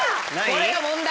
これが問題。